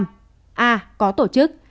a có tổ chức